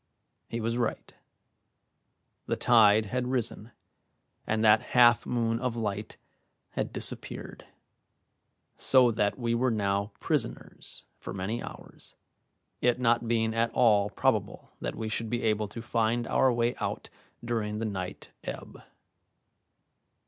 He was right. The tide had risen, and that half moon of light had disappeared, so that we were now prisoners for many hours, it not being at all probable that we should be able to find our way out during the night ebb.